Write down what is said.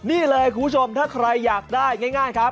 นี่เลยคุณผู้ชมถ้าใครอยากได้ง่ายครับ